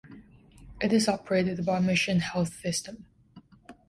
It is operated by Mission Health System.